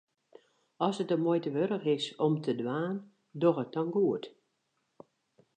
As it de muoite wurdich is om te dwaan, doch it dan goed.